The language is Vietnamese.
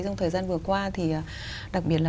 trong thời gian vừa qua thì đặc biệt là